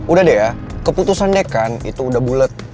udah deh ya keputusan deh kan itu udah bulet